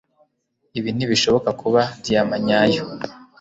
ibi ntibishobora kuba diyama nyayo